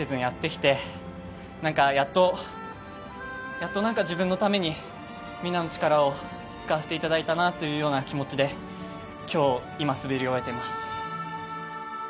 やっとなんか自分のためにみんなの力を使わせていただいたなというような気持ちで今日今滑り終えてます。